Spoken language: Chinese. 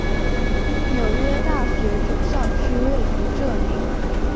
纽约大学主校区位于这里。